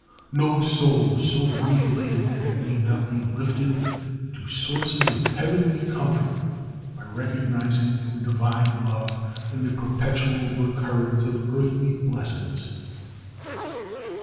No soul is so grief laden that it may not be lifted to sources of heavenly comfort by recognizing the Divine love in the perpetual recurrence of earthly blessings.